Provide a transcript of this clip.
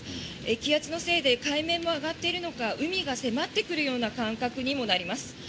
気圧のせいで海面も上がっているのか海が迫ってくるような感覚にもなります。